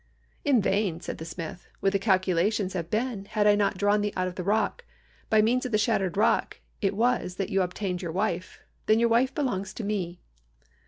"'In vain,' said the smith, 'would the calculations have been, had I not drawn thee out of the rock. By means of the shattered rock it was that you obtained your wife. Then your wife belongs to me.'